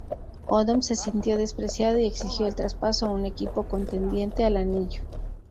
Odom se sintió "despreciado" y exigió el traspaso a un equipo contendiente al anillo.